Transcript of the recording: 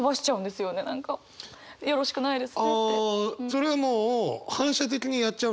それはもう反射的にやっちゃうんだ？